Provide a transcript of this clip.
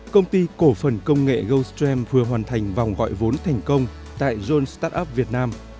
công ty cổ phần công nghệ goldstream vừa hoàn thành vòng gọi vốn thành công tại zonestartup việt nam